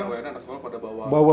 anak sekolah pada bawa